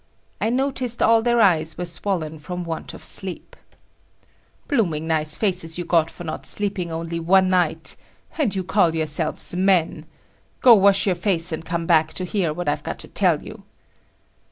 I noticed all their eyes were swollen from want of sleep. "Blooming nice faces you got for not sleeping only one night. And you call yourselves men! Go, wash your face and come back to hear what I've got to tell you."